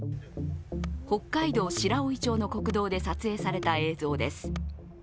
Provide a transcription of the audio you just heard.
北海道白老町の国道で撮影された映像です。